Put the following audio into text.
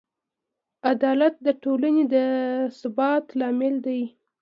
عدالت د ټولنې د ثبات لامل دی.